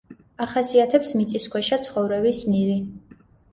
ახასიათებს მიწისქვეშა ცხოვრების ნირი.